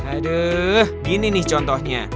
aduh gini nih contohnya